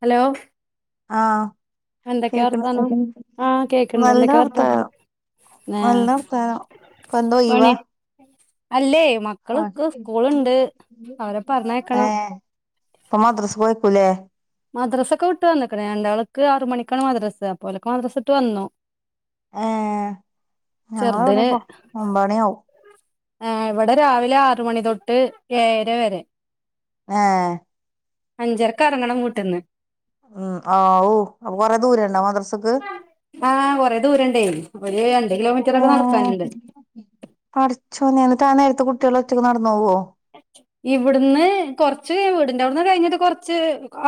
Hello? ആ എന്തൊക്കെയാ കേക്ക വർത്താനം [unintelligible] ആഹ് കേക്കണ്ട് നല്ല എന്തൊക്കെയാ വർത്താനം. നല്ല വർത്താനം ഇപ്പൊന്താ പണി ഒഴിവാ? അല്ലേ, മക്കളൊെക്ക സ്കൂള്ണ്ട് അവരെ പറഞ്ഞേയ്ക്കണം. പ്പം മദ്രസക്കൂം അയക്കുലെ? മദ്രസ ഒക്കെ വിട്ട് വന്ന്ക്ക്ണ് രണ്ടാൾക്ക് ആറ് മണിക്കാണ് മദ്രാസ അപ്പൊ ഓലൊക്കെ മദ്രസിട്ട് വന്നു. ഏ ചെറുതിന് ഞങ്ങളിവിടെപ്പോ ഒമ്പതണിയാവും. ഏ ഇവിടെ രാവിലെ ആറ് മണി തൊട്ട് ഏഴര വരെ. ഏ. അഞ്ചരക്ക് എറങ്ങണം വീട്ടിന്ന്. ഉം ആവൂ അപ്പൊ കൊറെ ദൂരണ്ടാ മദ്രസക്ക്? ആ കൊറെ ദൂരണ്ടേ ഒര് രണ്ട് കിലോമീറ്റർ ഒക്കെ ഏഹ് നടക്കാന്ണ്ട്. പടച്ചോനെ ന്നട്ട് ആ നേരത്ത് കുട്ട്യേള് ഒറ്റക്ക് നടന്നോവോ? ഇവിട്ന്ന് കൊറച്ച് വീടിന്റെ അവിടുന്ന് കഴിഞ്ഞിട്ട് കൊറച്ച്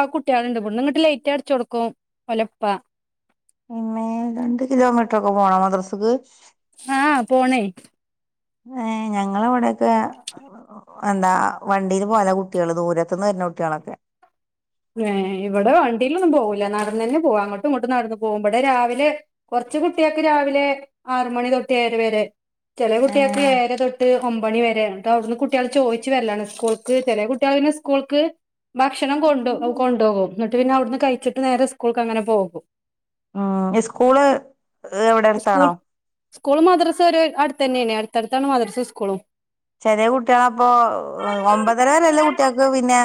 ആ കുട്ട്യേള്ണ്ട് ഇവിടുന്ന്ങ്ങ ലൈറ്റ് അടച്ച് കൊടുക്കും ഓലെ പ്പ. പിന്നേ, രണ്ട് കിലോമീറ്റർ ഒക്കെ പോണോ മദ്രസ്ക്ക്? ആ പോണേ. ഏ ഞങ്ങളെ ഇവിടെക്കെ എന്താ വണ്ടീൽ പോവല കുട്ട്യേള്, ദൂരത്ത്ന്ന് വര്ണ കുട്ട്യേളൊക്കെ. ഏ ഇവിടെ വണ്ടിലൊന്നും പോവൂല നടന്നു തന്നെ പോവാ അങ്ങട്ടും ഇങ്ങട്ടും നടന്ന് പോകുമ്പടെ ഇബടെ രാവിലെ കൊറച്ച് ച്ച് കുട്ട്യേക്ക് രാവിലെ ആറ് മണി തൊട്ട് ഏഴര വരെ. ചെല കുട്ട്യേക്ക് ഏഴര തൊട്ട് ഒമ്പണി വരെണ്. അവ്ട്ന്ന് കുട്ട്യേള് ചോയിച്ച് വരലാണ് സ്കൂൾക്ക് ചെലേ കുട്ട്യേള് പിന്നെ സ്കൂൾക്ക് ഭക്ഷണം കൊണ്ടോം. [unintelligible] ഏഹ് കൊണ്ടോകും ന്നട്ട് പിന്നെ അവട്ന്ന് കഴിച്ചിട്ട് നേരെ സ്കൂൾക്ക് അങ്ങനെ പോകും. ആ സ്കൂള് എവിടെ സ്കൂൾ അടുത്താണോ? സ്കൂളും മദ്രസയും ഒരു അടുത്ത് തന്നെയണ അടുത്തടുത്താണ് മദ്രസയും സ്കൂളും ചെറിയ കുട്ടിയ അപ്പൊ ഒമ്പതര വരെല്ല കുട്ടികക്ക് പിന്നെ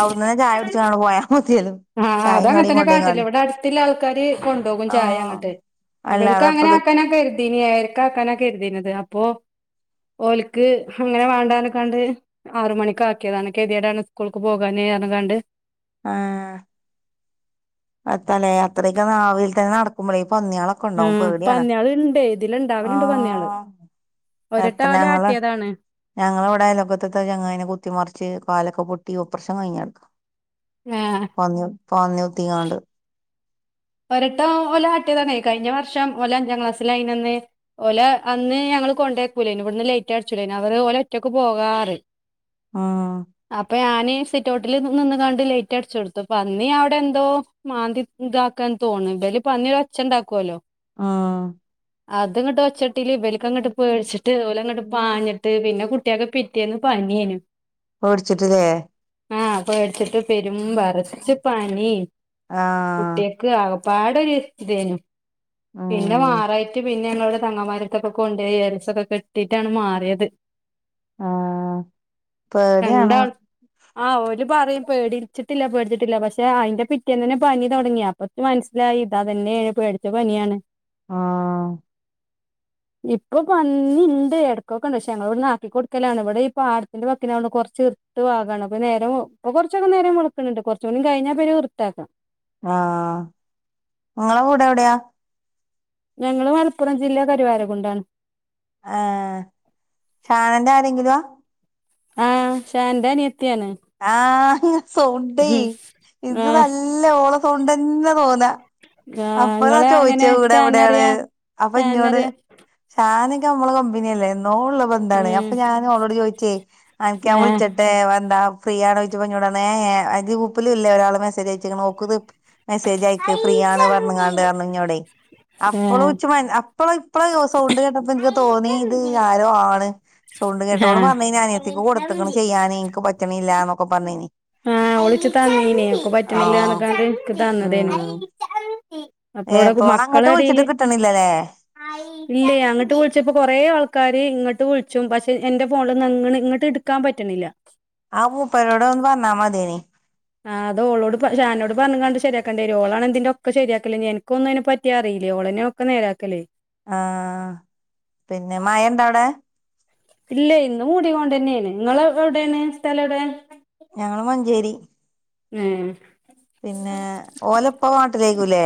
അവിടെ നിന്ന് ചായ പിടിച്ചാണ് പോയാ മതിയല്ലോ ആഹ് അത് ചായയും അങ്ങെ കടിയും തന്നെ കാട്ടല് കൊണ്ടോയിങ്ങാണ്ട് ഇവിടെ അടുത്തുള്ള ആൾക്കാര് കൊണ്ടുപോവും ചായ ആഹ് അങ്ങോട്ട് ഇവൾക്ക് അങ്ങനെ അല്ലാതെപ്പത് ആക്കാനൊക്കെ എരുതീന ആക്കാനൊക്കെ എരുതീന്നത് അപ്പൊ ഓൽക്ക് അങ്ങനെ വേണ്ടാർഞ് ക്കാണ്ട് ആറ മണിക്ക് ആക്കിയതാണ് കെതിയടാണ് സ്കൂൾക്ക് പോകാന അണ്ട് ആഹ് അത്തല്ലേ അത്രയൊക്കെ നാവിൽ തന്നെ നടക്കുമ്പോളേ പന്നികളൊക്കെ ഉണ്ടാവും ഉം പേടിയാണ് പന്നിയാള് ഇണ്ട് ഇതില് ആ ഇണ്ടാവലുണ്ട് പന്നിയാള് ഒരട്ട ഓലെ എത്രനങ്ങള് ആട്ടിയതാണ് ഞങ്ങളെ ഇവിടെലോക്കത്ത ചങ്ങയിനെ കുത്തിമറിച്ച് കാലൊക്കെ പൊട്ടി ട്ടീ ഒപ്രശൻ കഴിഞ്ഞടുക്ക ഏഹ് പന്നി പന്നി കുത്തിങ്ങാണ്ട് ഒരട്ടം ഒലാട്ടി താണേ കഴിഞ്ഞ വർഷം ഓല അഞ്ചാക്ലാസ്സിൽ അയിനന്ന് ഓല അന്ന് ഞങ്ങള് കൊണ്ടാകുലെന്നു ഇവിടുന്ന് ലേറ്റ് ആയടിച്ചുടെന്നു അവർ ഓല ക്ക് പോകാർ ഉം അപ്പോ ഞാന് സിറ്റ്ഔട്ട്‌ല് നിന്നിങ്ങാണ്ട് ലൈറ്റ് മുറ്റം അടിച്ചു കൊടുത്തു, പന്നീ അവിടെ എന്തോ മാന്തി ഇതാക്കി. ക്ക് തോന്നുണ്ട് ഒരു പന്നി ഒച്ച ഉണ്ടക്കുലോ. ആഹ് അത് ഇങ്ങോട്ട് ഒച്ചട്ടില് ഇവലക്കങ്ങട്ട് പേടിച്ചിട്ട് ഓലങ്ങോട്ട് പാഞ്ഞിട്ട് പിന്നെ കുട്ട കുട്ടിയൊക്കെ പിറ്റേന്ന് പനിയാണ്. ഓടിച്ചിട്ടില്ലേ ഉം പേടിച്ചിട്ട് പെരും വേറെച്ച് പനിയും. ആഹ് ക്ക് ആകപ്പാടെ ഒരു ഇത് തന്നെ പിന്നെ ഉം മാറായിട്ട് പി ഞങ്ങടെ തങ്ങമാരത്തൊക്കെ കൊണ്ട് പോയി ഏലസൊക്കെ കെട്ടിട്ടാണ് മാറിയത്. ആഹ് പേടിയാണ്. രണ്ടാൾ ആഹ് ഓര് പറയും പേടിച്ചിട്ടില്ല പേടിച്ചിട്ടില്ല, പക്ഷെ അയിന്റെ പിറ്റേന്നന്നെ പനി തുടങ്ങി. അപ്പൊ മനസ്സിലായി ഇതാത് തന്നെയായി പേടിച്ച പനിയാണ്. ആഹ് ഇപ്പൊ പന്നിണ്ട് എടക്കൊക്കെണ്ട് പക്ഷെ ഞങ്ങളിവിടന്ന് ആക്കി കൊടുക്കലാണ് ഇവിടെ ഈ പാടത്തിന്റെ വാക്കിനാടുന്ന് കൊറച്ച് മുട്ടു പാകണം അപ്പ നേരം ഇപ്പൊ കൊറച്ചൊക്കെ നേരം വെളുക്കണുണ്ട് കൊറച്ചൂടി കഴിഞ്ഞാ പിന്നെ വൃത്താക്കാം ആഹ് ങ്ങളെ വിടെ എവിടെയാ ഞങ്ങള് മലപ്പുറം ജില്ല കരുവാര കൊണ്ടാണ് ആഹ്‌ ഷാനന്റെ ആരെങ്കിലുവാ ആഹ് ശാന്തന് ആഹ്‌ ഉം സൗണ്ടേയ് ഇത് ആഹ് നല്ല ഓള സൗണ്ടന്നെ തോന്നാ ആഹ് അപ്പൊളാ ഇങ്ങള് ചോയിച്ചേ എങ്ങനെ ഇവിടെ ഷാനെ എവിടെയാണ് അറിയാ അപ്പൊ ഷാനെ ഇന്നോട് അറിയാ ഷാന് നമ്മള് കമ്പനിയല്ലേ ഴോ ഒള്ള ബന്ധാണ് ഉം അപ്പൊ ഞാന് ഓളോട് ചോദിച്ചേ [unintelligible] ആഹ് വിളിച്ചിട്ടെ വന്താ ഫ്രീ ആണോയ്ച്ചപ്പ ന്നോടർഞ്ഞൂ ഏ ഏ കൂപ്പിലുംല്ലേ ഒരാൾ മെസ്സജ്യച്ച നോക്ക് മെസേജ് അയക്ക് ഫ്രീ ന്ന് ങ്ങാണ്ട് [unintelligible] ഞ്ഞിവിടെ ആഹ് അപ്പൊളൊച്ച അപ്പൊള് ഇപ്പളെ ദിവസൗണ്ട് കേട്ടപ്പോ എനിക്ക് തോന്നിത് ആരോ ആണ് സൗണ്ട് കേട്ടോള് ആഹ് പറഞ്ഞ് ഞാന് അനിയത്തിക്ക് കൊടുത്തക്കണ് ചെയ്യാന് എനക്ക് പറ്റണില്ലാന്നൊക്കെ പറഞ്ഞേന് ആഹ്‌ ഒളിച്ചു താങ്ങീനെ ഓക്ക് ആഹ് പറ്റണില്ലാന്നൊക്കാണ്ട് എക്ക് തന്നതേനു ഉം അപ്പൊ ഇവിടൊക്കെ ഏപ്പൊ മക്കള അങ്ങട്ട് വിളിച്ചിട്ട് എടയില് കിട്ടണില്ലല്ലേ ല്ല്യാ അങ്ങട്ട് വിളിച്ചപ്പോ കൊറേ ആൾ ക്കാര് ഇങ്ങട്ട് വിളിച്ചും പക്ഷെ എന്റെ ഫോണിന്ന് ഇങ്ങള് ഇങ്ങട്ടെടുക്കാൻ പറ്റണില്ല ആ പൂപ്പേനോടൊന്ന് പറഞ്ഞാ മതിന് ആഹ്‌ അത് ഓളോട് പ ഷാനോട് പറഞ്ഞങ്ങാണ്ട് ശരിയാക്കേണ്ട വരും ഓളാണ് ഇന്തിന്റെയൊക്കെ ശരിയാക്കല് ഇനി എന്ക്കൊന്നും ഇതിനെ പറ്റി അറിയ് വിലിയ യോളനെ ഒക്ക നേരാക്കല്ലേ ആഹ പിന്നെ മഴ എന്താ അവിടെ ഇല്ല ഇന്നും കൂടൊണ്ടന്നെയാണ് നിങ്ങള് എവിടെയാണ് സ്ഥലം എവിടെ ഞങ്ങ മഞ്ചേരി ഹേ പിന്നെ ഓലപ്പനാട്ടിലേക്കുല്ലേ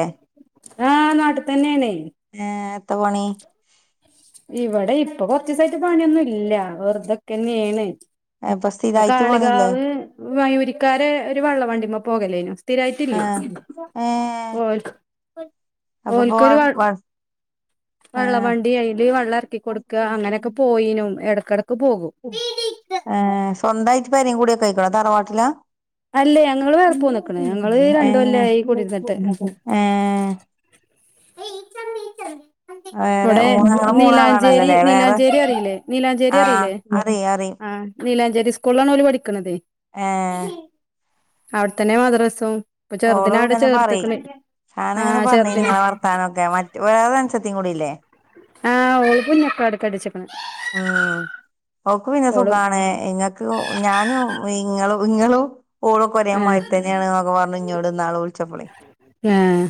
നാട്ട് തന്നെയാണ് ഇത്ത പണി ഇവിടെ ഇപ്പൊ കൊറച്ചസൈട്ട് പണിയൊന്നും ഇല്ല വെറുതൊക്കെന്നെയണ് ആ ബസ് കാളികാവ് വയൂരിക്കാരെ ഒരു വള്ളം വണ്ടിമ്മ പോകലേനു സ്ഥിരായിട്ടില്ല ആഹ് ഏഹ് ഓൽക് അപ്പൊ ഓൽക്കാെരു വ ഇപ്പൊ വെള്ളം ഏഹ് വണ്ടി അയില് വെള്ളം ഇറക്കി കൊടുക്കുക അങ്ങനെയൊക്കെ പോയിനും എട ഏ സ്വന്തായിട്ട് പരീംങ്കുടി ഒക്കെ അയ്ക്ക്ണോ തറവാട്ടിലാ അല്ലേ ഞങ്ങള് വേറെ പോന്ന്ക്ക്ണ് ഞങ്ങള് രണ്ട് ഏഹ് കൊല്ലായി കുടിര്ന്നിട്ട് ഏഹ് [inaudible] നീ ച വേറെ ഇവിടെ മൂന്ന് നിങ്ങള് നീലാഞ്ചേരി മൂന്നാളാണല്ലോല്ലേ വേറെ നീലാഞ്ചേരി അറിയില്ലേ നീലാഞ്ചേരി ആഹ് അറീല്ലേ അറിയും അറിയും ആ നീലാഞ്ചേരി സ്കൂളിലാാണ്ഓല് പഠിക്ക്ണതേ എഹ് അവിടെത്തന്നെ മദ്രസും ഇപ്പൊ ഓള് ചെറുതിനെ അവിടെ ഇങ്ങനെ പറയും ചേർത്ത്ക്ക്ണ്ആഹ ചെറുത് നെ [unintelligible] മറ്റു വേറെ അനുസത്തിംകൂടില്ലേ ആഹ് ഓൾ കുഞ്ഞക്കാട് ക്കാ കെട്ടിച്ച്ണെ ഉം ഓക്ക് പിന്നെ ഓള് സുഖണേ ഇങ്ങക്ക് ഞാനും ഇങ്ങളും ഇങ്ങളും ഓളൊക്കെ ഒരേ ആഹ് മാതിരിതന്നെയാണ് ന്നൊക്കെ പറഞ്ഞു ഇന്നോട് ഇന്നാള് വിളിച്ചപ്പളെ ആഹ്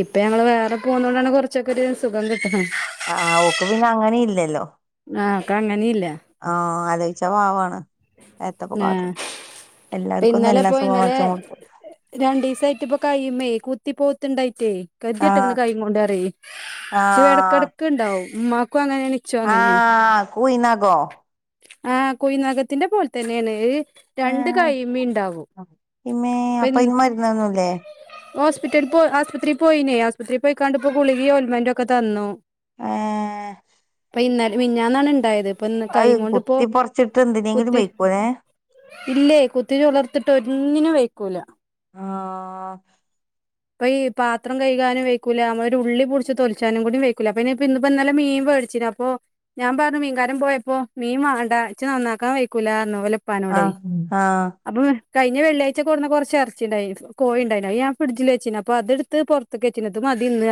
ഇപ്പൊ ഞങ്ങള് വേറെ പോന്നോണ്ടാണ് കുറച്ചൊക്കെ ഒരു സുഖം കിട്ട് ണെ ആ ഓക്ക് പിന്നെ അങ്ങനീം ഇല്ലല്ലോ ആഹ് ഒക്കെ അങ്ങനില്ല ആഹ ആലോയ്ച്ചാ പാവാണ് എത്തപ്പ ആഹ് കാട്ട്ണ് ഇന്നലെ ഇപ്പോ ഇന്നലെ രണ്ടീസായിട്ട് ഇപ്പ കയ്യിമ്മേ കു ത്തി പോത്ത്ണ്ടായിറ്റേ കതെട്ട്ണ് ആഹ് കൈ കൊണ്ട് അറയേ ച്ചും ആഹ് ഇടക്കിടക്ക് ഉണ്ടാവും ഉ ക്കും അങ്ങനെണ് ഇച്ചും അങ്ങനെണ് ആഹ കൂയിനാകോ ആ കുയ് നഖത്തിന്റെ പോലെ തന്നെയാണ് ഏ രണ്ട് കയ്യ്മ്മീം ഇണ്ടാവും ഇമ്മേ പി അപ്പൊ അയിന് മരുന്നൊന്നുല്ലേ ഹോസ്പിറ്റലിൽ പോ ആസ്പത്രിയിൽ പോയിനേ ആസ്പത്രിയിൽ പോയ്ക്കാണ്ടിപ്പോ ഗുളികിം ഓല്മെന്റ് ഒക്കെ തന്നു ഏഹ് ഇന്ന മിന്നാന്നാണ് ഇണ്ടായത് ഇപ്പൊ ഇന്ന് കൈ കൊണ്ട് ഇപ്പോൊ കുത്തി പൊറച്ചിട്ട് എന്തിനെങ്കിലും കുത്തി വെയ്ക്കുവേ ഇല്ലേ കുത്തി ചുളതത്ത്ട്ട് ഒന്നിനും വൈക്കൂല ആഹ അപ്പൊ ഈ പാത്രം കഴ്കാനും വെയ്ക്കൂല നമ്മളൊരു ഉള്ളി പിടിച്ച് തോലിച്ചാനും കൂടി വെയ്ക്കില്ല പിന്നെ അപ്പ ഇ മീൻ മേടിച്ചീനിഅപ്പൊ ഞാൻ പറഞ്ഞു മീൻകാരൻ പോയപ്പോ മീൻ വാങ്ങണ്ടാ ഇച്ച് നന്നാക്കാൻ വൈയ്ക്കൂലാന്ന് ഇപ്പാനോടെ ആഹ ആഹ അപ്പോ കഴിഞ്ഞ വെള്ളാഴ്ചക്കെ കൊട്ന്ന കുറച്ച് ഇറച്ചിണ്ടായിനു കോഴി ഉണ്ടായിനു അത് ഞാൻ ഫ്രഡ്ജിൽ വെ ച്ചീനു അപ്പൊ അതെടുത്ത് പുറത്ത് ക്കെച്ചീനു ഇത് മതി ഇന്ന്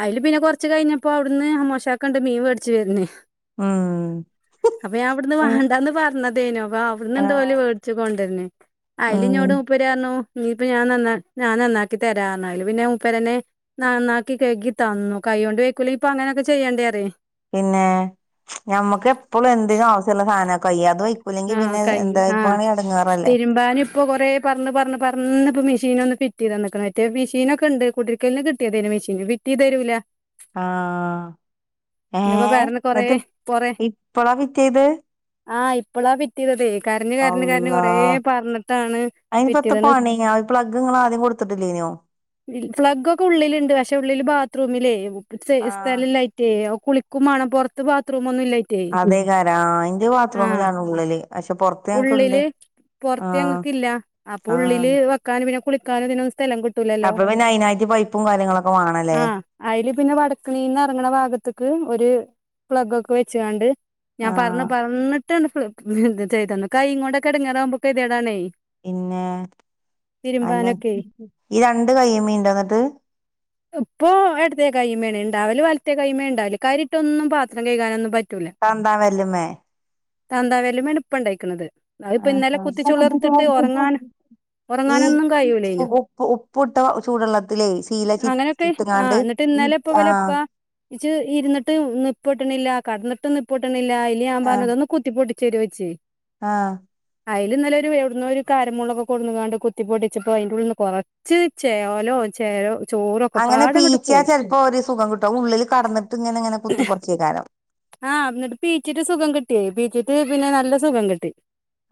അതില് പിന്നെ കൊറച്ച് കഴിഞ്ഞപ്പോ അവിടുന്ന് അമ്മോശ കാക്ക ഇണ്ട് മീൻ മേടിച്ചു വര്ന് ഉം അപ്പൊ ഞാൻ അവിടുന്ന് വണ്ടാന്ന് പറഞ്ഞത് അതേനോ അപ്പൊ അവിട്ഇണ്ട് ആഹ് ഓൽമേടിച്ചു കൊണ്ടര്ന്ന് അയില് ഉം ഇഞോട് മുപ്പരറഞ്ഞു നീ അപ്പൊ ഞാൻ നന്നാ ഞാൻ നന്നാക്ക ക്കിതരാഞ്ഞ് അയ്ൽപിന്നെ മുപ്പരന്നെ നന്നാക്കി കഴ്കിതന്നു കൈ കൊണ്ട് വെക്കൂല ഇപ്പൊ അങ്ങനെൊക്കെ ചെയ്യേണ്ടേ അറിയേ പിന്നെ ഞമ്മക്ക് എപ്പളും എന്തെങ്കിലും ആവശ്യമുള സാധനാ കൈ ആഹ കൈ ആഹ എടങ്ങേറല്ലേ തിരുമ്പാനും ഇപ്പൊ കൊറെ പറഞ്ഞ് പറഞ്ഞു പറഞ്ഞപ്പ മി മിഷീൻ ഒന്ന് ഫിറ്റ് ചെയ്തന്ന്ക്ണ് മറ്റേ മെഷീനൊക്കെ ഉണ്ട് കുട്ടിരിക്കല്ന് കിട്ടേതീനു മെഷീന് ഫിറ്റ് ചെയ്ത് തരൂല്ല ആഹ ഏ ഇന്നിപ്പോ പറഞ്ഞ് കൊറേ എന്നിട്ട് കൊറേ ഇപ്പളാ ഫിറ്റെയ്തെ ആഹ് ഇപ്പളാ ഫിറ്റയ്തതേ കരഞ്ഞ് കരഞ്ഞ് അള്ളാ കരഞ്ഞുകൊറെ പറഞ്ഞിട്ടാണ് അയിനിപ്പത്ത ഫിറ്റയ്തന്ന് പണി ആ പ്ലഗ് ഇങ്ങള് ആദ്യം കൊടുത്തിട്ടില്ലേനോ ഫ്ളഗ് ഒക്കെ ഉള്ളിലുണ്ട് പക്ഷെ ഉള്ളില് ബാത്റൂമിലേ സ് ആഹ് സ്ഥലല്ലേയ്റ്റെ കുളിക്കും മാണം പുറത്ത് ബാത്ത്റൂ അതേകാര ആ ഇന്റെ ആഹ് ബാതറൂമിലാണ് ഉള്ളില് പക്ഷെ പൊറത്ത് ഞങ്ങക്ക്ണ്ട് ഉള്ളില് പുറത്ത് ആഹ് ഞങ്ങക്ക്ല്ല അപ്പൊ ആഹ് ഉള്ളില് വെക്കാനും പിന്നെ കുളിക്കാനും ഇതിനൊ സ്ഥലം കിട്ടൂലല്ലോ അപ്പൊ പിന്നെ അയിനായിട്ട് പൈപ്പും കാര്യങ്ങളൊക്കെ വാണല്ലേ ആ അയ്ല് പിന്നെ വടക്കളീന്ന് ഇറങ്ങണ ഭാഗത്തേക്ക് ഒരു പ്ലഗ് ഒക്കെ വെച്ചുകാണ്ട് ഞാൻ പറഞ്ഞു ആഹ് പറഞ്ഞിട്ടാണ് ചെയ്തന്നു കൈ ഇങ്ങോട്ടൊക്കെ ഇടങ്ങറാവുമ്പൊക്ക കെതിയടാണ് പിന്നെ അല്ല തിരുമ്പാനൊക്കെ ഈ രണ്ട് കൈയ്മേ ഇണ്ടോ എന്നിട്ട് ഇപ്പൊ ഇടത്തെ കൈമേണ ഉണ്ടാവല് വലത്തെ കൈ്മേ ഉണ്ടാവല് കരി ഇട്ട് ഒന്നും പാത്രം കഴകനൊന്നും പറ്റില്ല തന്തമ്മ വെര്ല്ലുമേ താന്താവര്ലുമേണ് ഇപ്പം ഉണ്ടയിക്കണുന്നത് അ ഇപ്പ ഇന്നലെ കുത്തിച്ചളർത്തിട്ട് ഉറങ്ങൻ ഈ ഉപ്പ് ഉപ്പിട്ട ചൂടുള്ളത്തിലേ ശീല അങ്ങനൊക്കെ ആ ചിറ്റങ്ങാണ്ട് എന്നിട്ട് ഇന്നലെ ഇപ്പം ഇവരെ ഉപ്പ ഇച്ച് ഇരുന്നിട്ടും നിപ്പിട്ടണില്ല കടന്നിട്ടും നിപ്പിട്ടണില്ല ഇല്ല അയില് ഞാൻ പറഞ് ആഹ് ഇത് ഒന്ന് കുത്തിപ്പോട്ടി ട്ടിച്ച് തരു ചോയിച്ച് ആഹ് അതിൽ ഇന്നല്ല ഒരു എവിടുന്നും ഒരു കാരമുളൊക്കെ കൊണ്ടെന്ന്ക്കാണ്ട് കുത്തി പൊട്ടിച്ചപ്പോ അതിന്റെറ ഉള്ളിൽ നിന്ന് കുറച്ച് ചേലോ ചെലോ അങ്ങനെ പീച്ചാൽ ചിലപ്പോ ഒരു സുഖം കിട്ടും ഉള്ളിൽ കിടന്നിട്ട് ഇങ്ങനെ ഇങ്ങനെ കുത്തി പറച്ചോയ്ക്കാരം ആഹ് എന്നിട്ട് പീച്ചിട്ട് സുഖം കിട്ടിയേ പീച്ചിറ്റ് പിന്നെ നല്ല സുഖം കിട്ടി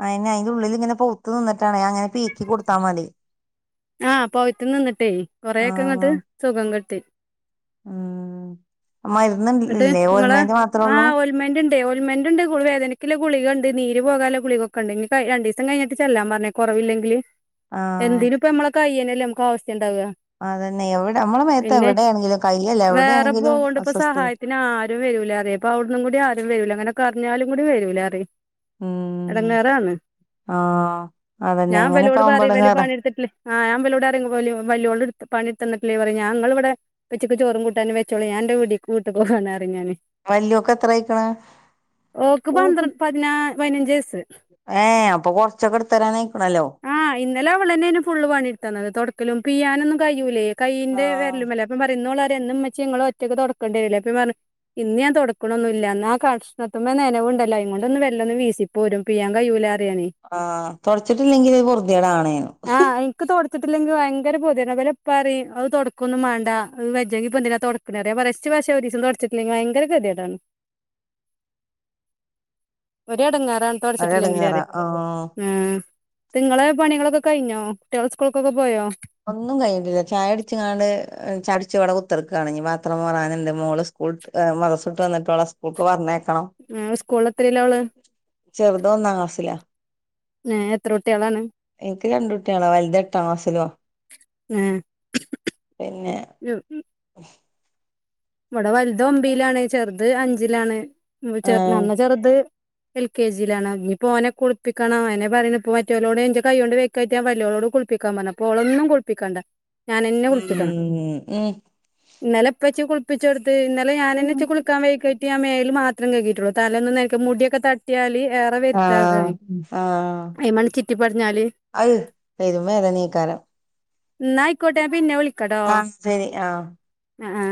അയിനെ അയിന്റെ ഉള്ളിൽ ഇങ്ങനെ പയുത്ത് നിന്നിട്ടാ അങ്ങനെ പീക്കി കൊടുത്താ മതി ആഹ് പോയിട്ട് നിന്നിട്ടേ കൊറെയൊക്കെ ആഹ് ഇങ്ങട്ട് സുഖം കിട്ടി ഉം മരുന്ന് എന്നട്ട് ഇല്ലേ നിങ്ങളെ ഓൽമെന്റ് മാത്രേ ഉള്ളൂ ആഹ് ഓയിൽ മെന്റ മന്റ് ഉണ്ട് വേദനക്കെ ഗുളികുണ്ട് നീര് പോകാൻ ഗുളികൊക്കെ ഉണ്ട് രണ്ടിസം കഴിഞ്ഞട്ട് ചെല്ലാ പറഞ്ഞ് കുറ പോയില്ലെങ്കില് ആഹ് കയ്യിലല്ലേ നമക്ക് ആവശ്യം ഇണ്ടാവുക അതന്നെ എവിടെ നമ്മളെ മേത്ത് പിന്നെ എവിടെയാണെങ്കിലും കയ്യല്ല വേറെ എവിടെയാണെങ്കിലും പോവണ്ടിപ്പോ അസ്വസ്ഥത സഹായത്തിന് ആരും വരൂല അതെ അപ്പ അവിടന്നും കൂടി ആരും വരൂല അങ്ങനെ കരിഞ്ഞാലും കൂടി ആരും വരൂലറയും ഉം എടങ്ങേറാണ് ആഹ് അതന്നെ ഞാൻ ഇങ്ങനെയൊക്കെ ഇവളോട് ആവുമ്പോ പറയും വലിയ എടങ്ങേറാ പണി എടുത്തിട്ടില്ല ഞാൻ ഇവളോടറയും [unintelligible] ഞങ്ങൾ ഇവിടെ ഉച്ചയ്ക്ക് ചോറും കൂട്ടാനും വെച്ചോളീ ഞാൻ എൻ്റെ കൂടി കൂട്ടി പോകാനെറങ്ങീ ഞാന് വല്യൊക്ക് എത്ര ആയിക്കണ് ഓക്ക് പന്ത്ര പതിനാ പതിനഞ്ച് വയസ്സ് ഏഹ് അപ്പൊ കൊറച്ചൊക്കെ എടുത്തരാൻ ആയിക്കണല്ലോ ആഹ് ഇന്നലെ അവളെന്നേനു ഫുള്ള് പണിട്ത്തന്നത് തുടക്കലും പിയാനൊന്നും കഴൂലേ കയിന്റെ ആഹ് വെരലിമെല്ലേ പറ എന്നും ഉമ്മച്ചി നിങ്ങള് ഒറ്റക്ക് തുടക്കേണ്ടിരില്ലേ അപ്പോ ഞാൻ പറഞ്ഞ് ഇന്ന് ഞാൻ തുടക്കണന്നൊല്ലാ എന്നാ കക്ഷണത്തിന് നെനവ് ഇണ്ടല്ലോ [unintelligible] വെള്ളന്ന് വീശി പോരും പിയാൻ കയ്യൂല ആഹ് തുടച്ചിട്ടില്ലെങ്കില് വൃത്തികേട് ആണേ എൻക്ക് തൊടച്ചിട്ടില്ലെങ്കി ഭയങ്കര പൊതി പറയും അത് തുടക്കൊന്നും വേണ്ട വയ്യാങ്കി പെന്തിനാ തുടക്കണേ എടക്ക് [unintelligible] തുടച്ചിട്ടില്ലെങ്കിൽ [unintelligible] ഒരെടെങ്ങറണ് തുടച്ചിട്ടില്ലെങ്കില് ഒരെടങ്ങേറാ അറയും ആഹ് ആഹ് നിങ്ങള് പണികളൊക്കെ കഴിഞ്ഞോ കുട്ടികൾ സ്കൂൾക്കൊക്കെ പോയോ ഒന്നും കഴിഞ്ഞിട്ടില്ല ചായ കുടിച്ചു അങ്ങട് ചടിച്ച് ഇവിടെ കുത്തിടുക്കാണ് ഇനി പാത്രം മോള് [unintelligible] സ്കൂ [unintelligible] സ്കൂൾക്ക് പർഞ്ഞേ ത്തണം ഏഹ് സ്കൂളിൽ എത്രേലാ ഓള് ചെറുത് ഒന്നാം ക്ലാസിലാ ഏഹ് എത്ര കുട്ട്യാളാണ് എനിക്ക് രണ്ടകുട്ടികള വലുത് എട്ടാം ക്ലാസ്സിലുവ. ഏഹ് പിന്നെ യ്യോ. [inaudible] ഇവിടെ വലുത് ഒമ്പയിലാണ്, ചെറുത് അഞ്ചിലാണ്, ആഹ് നല്ല ചെറുത് എൽ കെ ജിയിലാണ്. ഇനിപ്പോ ഓനെ കുളിപ്പിക്കണം അയന്നെ പറയണെ ഇപ്പ മറ്റോലോഡ് എൻ്റെ കൈ കൊണ്ട് വെക്കാ വല്ല്യോളോട് കുളിപ്പിക്കാൻ പറഞ്ഞപ്പോ ഓള് ഒന്നും കുളിപ്പിക്കാണ്ട. ഉം ഉം. ഇന്നലെപ്പച്ചി കുളിപ്പിച്ച് കൊടുത്ത് ഇന്നലെ ഞാനെന്നെച്ച കുളിക്കാൻ വൈകികേറ്റി ആ മേൽ മാത് ത്രം കെയ്കീറ്റുള്ളു തലോന്നും നേരിക്ക് മുടിയൊക്കെ തട്ടിയാല് ഏറെ ആഹ് വരുത്താകന് അയ്മ്മൺ ചിറ്റിപിടഞ്ഞാല് അക് പെരമയതുമേ നീക്കാരം ന്നായി കോട്ടെ പിന്നെ വിളി ആ ശരി ആ ആ ആ